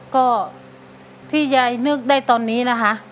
ก็ที่ยายนึกได้ตอนนี้นะคะ